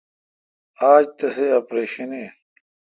آج تسی اپریشن این ۔